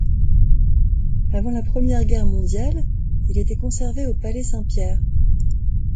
Avant la Première Guerre mondiale, il était conservé au palais Saint-Pierre.